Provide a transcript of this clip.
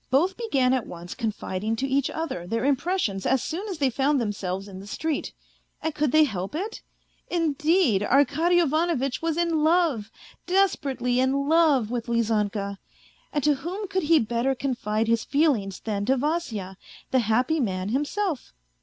Both began at once confiding to each other their impressions as soon as they found themselves in the street. And could they help it ? Indeed, Arkady Ivanovitch was in love, desperately in love, with Lizanka. And to whom could he better confide his feelings than to Vasya, the happy man himself.